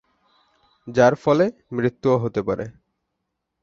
যার ফলে মৃত্যুও হতে পারে।